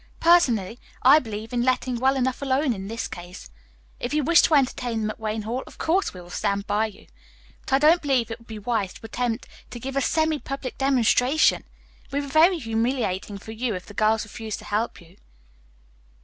Personally, I believe in letting well enough alone in this case. If you wish to entertain them at Wayne Hall, of course we will stand by you. But I don't believe it would be wise to attempt to give a semi public demonstration. It would be very humiliating for you if the girls refused to help you."